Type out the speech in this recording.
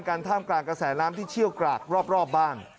การท่ามกลางเกษนน้ำที่เชี่ยวกราครอบบ้าน